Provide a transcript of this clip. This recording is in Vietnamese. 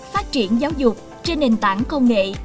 phát triển giáo dục trên nền tảng công nghệ